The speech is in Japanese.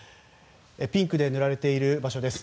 ピンクで塗られている場所です。